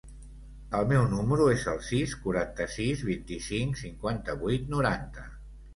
El meu número es el sis, quaranta-sis, vint-i-cinc, cinquanta-vuit, noranta.